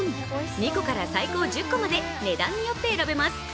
２個から最高１０個まで値段によって選べます。